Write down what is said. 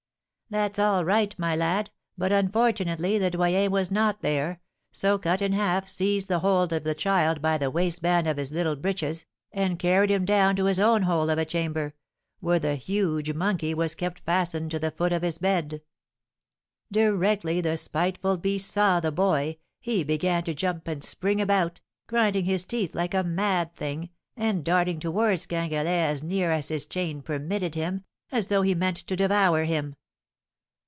"That's all right, my lad, but, unfortunately, the Doyen was not there, so Cut in Half seized hold of the child by the waistband of his little breeches, and carried him to his own hole of a chamber, where the huge monkey was kept fastened to the foot of his bed. Directly the spiteful beast saw the boy, he began to jump and spring about, grinding his teeth like a mad thing, and darting towards Gringalet as near as his chain permitted him, as though he meant to devour him."